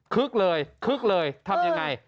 ึกเลยคึกเลยทำยังไง